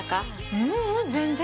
ううん全然。